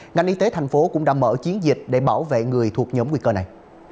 ngành y tế tp hcm cũng đã mở chiến dịch để bảo vệ người thuộc nhóm nguy cơ này